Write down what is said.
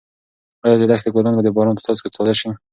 ایا د دښتې ګلان به د باران په څاڅکو تازه شي؟